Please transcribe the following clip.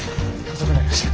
遅くなりました。